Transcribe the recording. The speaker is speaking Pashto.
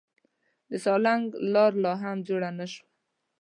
د سالنګ لار لا هم جوړه نه شوه.